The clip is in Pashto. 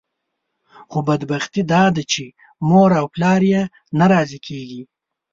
خو بدبختي داده چې مور او پلار یې نه راضي کېږي.